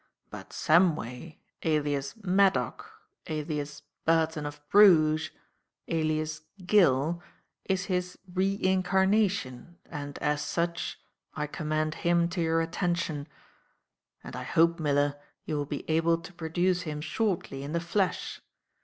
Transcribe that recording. But Samway, alias Maddock, alias Burton of Bruges, alias Gill, is his re incarnation, and, as such, I commend him to your attention; and I hope, Miller, you will be able to produce him shortly, in the flesh.